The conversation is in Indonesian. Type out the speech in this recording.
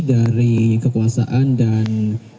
dari kekuasaan dan